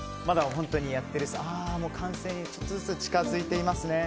完成にちょっとずつ近づいていますね。